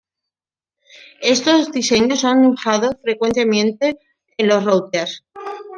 Estos diseños son usados frecuentemente en los routers.